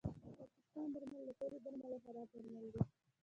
د پاکستان درمل له ټولو درملو خراب درمل دي